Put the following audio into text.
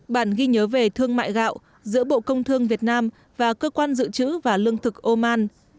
bản ghi nhớ về thương mại gạo giữa bộ công thương việt nam và cơ quan dự trữ và lương thực oman